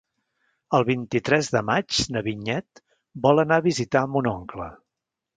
El vint-i-tres de maig na Vinyet vol anar a visitar mon oncle.